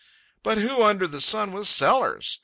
But who under the sun was Sellers?